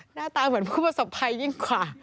หน้าตาเหมือนผู้ประสบภัยยิ่งกว่า